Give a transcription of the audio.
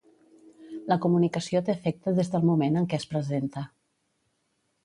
La comunicació té efecte des del moment en què es presenta.